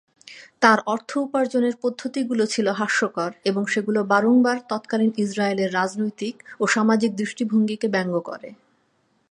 তার অর্থ উপার্জনের পদ্ধতিগুলো ছিল হাস্যকর এবং সেগুলো বারংবার তৎকালীন ইসরায়েলের রাজনৈতিক ও সামাজিক দৃষ্টিভঙ্গিকে ব্যঙ্গ করে।